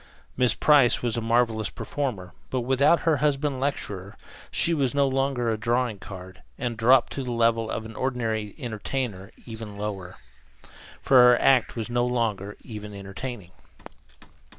Miss Price was a marvelous performer, but without her husband lecturer she was no longer a drawing card, and dropped to the level of an ordinary entertainer even lower, for her act was no longer even entertaining.